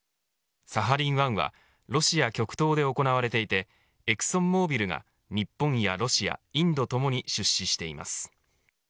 サハリン１はロシア極東で行われていてエクソンモービルが日本やロシアインドともに出資しています。